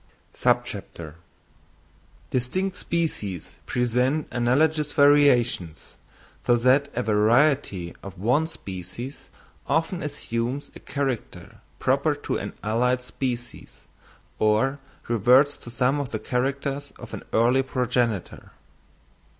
_Distinct Species present analogous Variations, so that a Variety of one Species often assumes a Character Proper to an allied Species, or reverts to some of the Characters of an early Progenitor.